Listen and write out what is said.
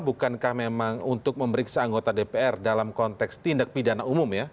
bukankah memang untuk memeriksa anggota dpr dalam konteks tindak pidana umum ya